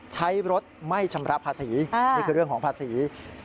ใช้รถไม่ชำระภาษีนี่คือเรื่องของภาษี